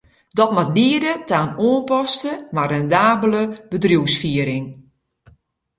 Dat moat liede ta in oanpaste, mar rendabele bedriuwsfiering.